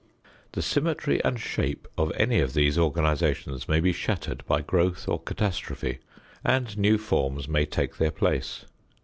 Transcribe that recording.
The symmetry and shape of any of these organizations may be shattered by growth or catastrophe, and new forms may take their place.